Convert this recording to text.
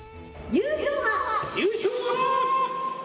優勝は！